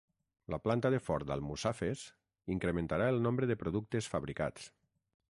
La Planta de Ford Almussafes incrementarà el nombre de productes fabricats